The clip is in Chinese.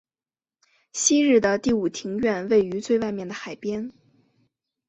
昔日的第五庭院位于最外面的海边。